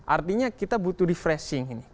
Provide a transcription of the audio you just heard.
artinya kita butuh di freshing ini